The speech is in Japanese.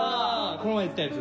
この前言ってたやつ。